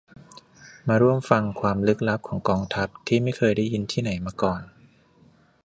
มาร่วมฟังความลึกลับของกองทัพที่ไม่เคยได้ยินที่ไหนมาก่อน